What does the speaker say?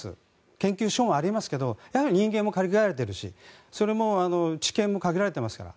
研究所もありますがやはり人間も限られているし知見も限られていますから。